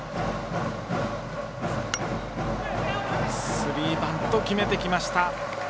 スリーバント決めてきました。